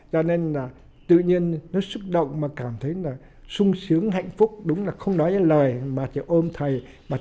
cho nên tự nhiên nó xúc động mà cảm thấy sung sướng hạnh phúc đúng là không nói lời mà chỉ ôm thầy